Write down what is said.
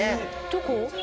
どこ？